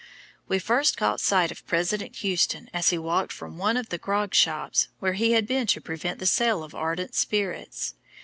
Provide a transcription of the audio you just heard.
"We first caught sight of President Houston as he walked from one of the grog shops, where he had been to prevent the sale of ardent spirits.